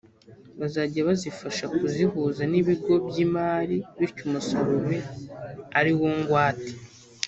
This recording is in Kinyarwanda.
bazajya bazifasha kuzihuza n’ibigo by’imari bityo umusaruro ube ari wo ngwate